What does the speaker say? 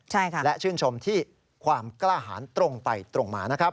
ใช่ค่ะและชื่นชมที่ความกล้าหารตรงไปตรงมานะครับ